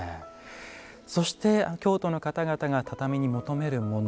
そして京都の方々が畳に求めるもの